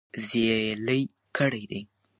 زېلې کړي دي -